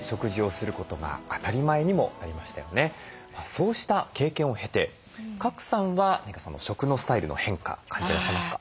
そうした経験を経て賀来さんは何か食のスタイルの変化感じてらっしゃいますか？